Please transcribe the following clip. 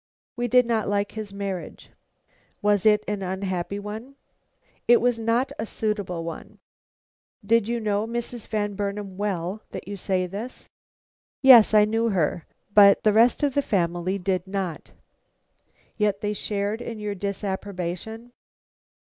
"We did not like his marriage." "Was it an unhappy one?" "It was not a suitable one." "Did you know Mrs. Van Burnam well, that you say this?" "Yes, I knew her, but the rest of the family did not." "Yet they shared in your disapprobation?"